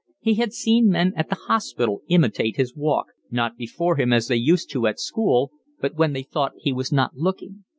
He had seen men at the hospital imitate his walk, not before him as they used at school, but when they thought he was not looking.